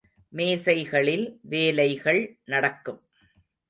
மேசைகளில் வேலைகள் நடக்கும்.